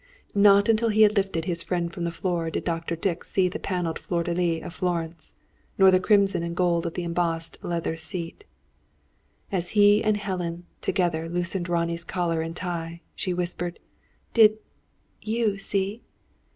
Not until he had lifted his friend from the floor did Dr. Dick see the panelled fleur de lis of Florence, nor the crimson and gold of the embossed leather seat. As he and Helen together loosed Ronnie's collar and tie, she whispered: "Did you see?"